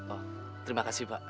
oh terima kasih pak